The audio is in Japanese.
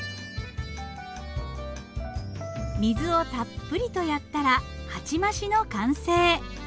水をたっぷりとやったら鉢増しの完成。